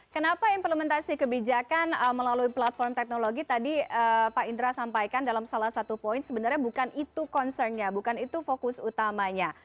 kenapa implementasi kebijakan melalui platform teknologi tadi pak indra sampaikan dalam salah satu poin sebenarnya bukan itu concernnya bukan itu fokus utamanya